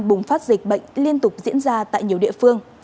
bùng phát dịch bệnh liên tục diễn ra tại nhiều địa phương